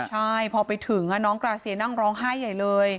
ใช่พอไปถึงน้องกราเซียนั่งร้องไห้ใหญ่เลย